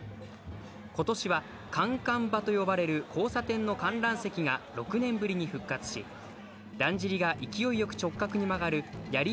ことしはカンカン場と呼ばれる交差点の観覧席が６年ぶりに復活し、だんじりが勢いよく直角に曲がるやり